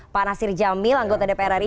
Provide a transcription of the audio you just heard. pak nasir jamil anggota dprri